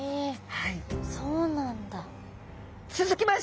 はい。